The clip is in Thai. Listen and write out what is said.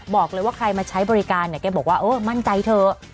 บอกเลยว่าใครมาใช้บริการเนี่ยแกบอกว่าเออมั่นใจเถอะ